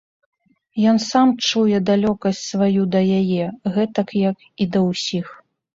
Ён сам чуе далёкасць сваю да яе, гэтак як і да ўсіх.